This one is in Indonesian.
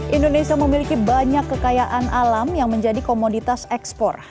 indonesia memiliki banyak kekayaan alam yang menjadi komoditas ekspor